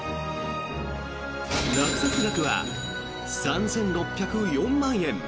落札額は３６０４万円。